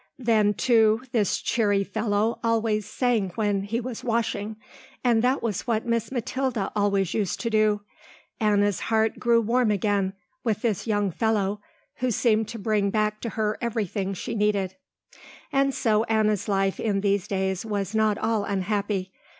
Then, too, this cheery fellow always sang when he was washing, and that was what Miss Mathilda always used to do. Anna's heart grew warm again with this young fellow who seemed to bring back to her everything she needed. And so Anna's life in these days was not all unhappy.